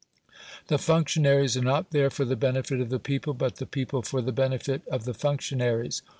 The functionaries are not there for the benefit of the people, but the people for the benefit of the functionaries.